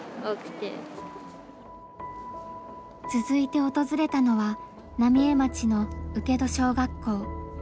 続いて訪れたのは浪江町の請戸小学校。